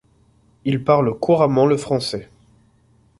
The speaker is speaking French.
Il parle couramment le français.